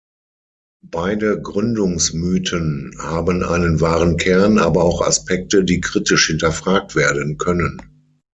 Beide Gründungsmythen haben einen wahren Kern, aber auch Aspekte, die kritisch hinterfragt werden können.